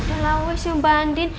udah lah weh si umba andin